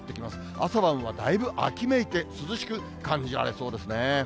朝晩はだいぶ秋めいて、涼しく感じられそうですね。